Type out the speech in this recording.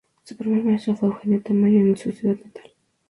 Su primer maestro fue Eugenio Tamayo, en su ciudad natal.